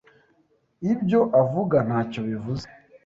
Ibyo avuga ntacyo bivuze.